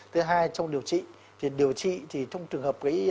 thứ hai trong điều trị thì điều trị thì trong trường hợp